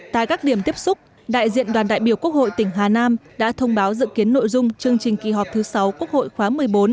tại các điểm tiếp xúc đại diện đoàn đại biểu quốc hội tỉnh hà nam đã thông báo dự kiến nội dung chương trình kỳ họp thứ sáu quốc hội khóa một mươi bốn